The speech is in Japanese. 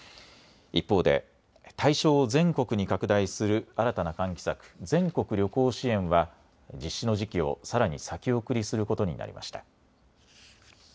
一方で対象を全国に拡大する新たな喚起策、全国旅行支援は実施の時期をさらに先送りすることになりました。